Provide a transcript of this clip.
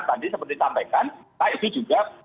tadi seperti ditampaikan itu juga